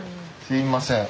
すいません。